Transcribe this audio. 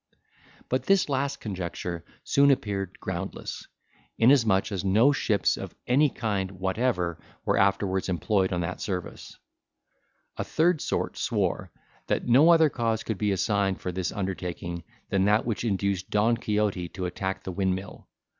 But this last conjecture soon appeared groundless, inasmuch as no ships of any kind whatever were afterwards employed on that service. A third sort swore, that no other cause could be assigned for this undertaking than that which induced Don Quixote to attack the windmill.